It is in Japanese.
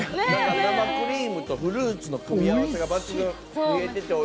生クリームとフルーツの組み合わせが抜群。